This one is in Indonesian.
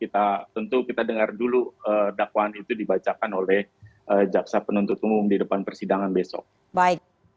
tentu kita dengar dulu dakwaan itu dibacakan oleh jaksa penuntut umum di depan persidangan besok